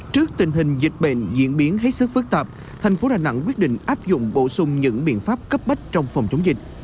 trước tình hình dịch bệnh diễn biến hết sức phức tạp thành phố đà nẵng quyết định áp dụng bổ sung những biện pháp cấp bách trong phòng chống dịch